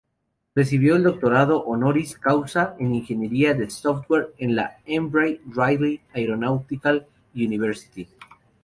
Recibió el Doctorado Honoris Causa en Ingeniería de Software de la "Embry-Riddle Aeronautical University".